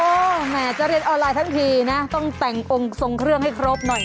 โอ้โหแหมจะเรียนออนไลน์ทั้งทีนะต้องแต่งองค์ทรงเครื่องให้ครบหน่อย